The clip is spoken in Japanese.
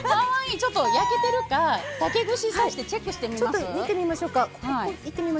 ちょっと焼けてるか竹串を刺してチェックしてみます。